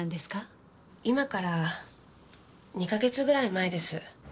今から２か月ぐらい前です。